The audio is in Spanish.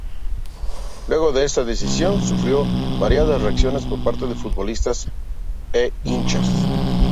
Luego de esta decisión, sufrió variadas reacciones por parte de futbolistas e hinchas.